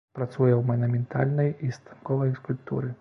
Працуе ў манументальнай і станковай скульптуры.